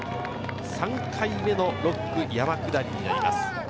３回目の６区・山下りになります。